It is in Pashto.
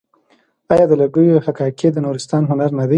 آیا د لرګیو حکاکي د نورستان هنر نه دی؟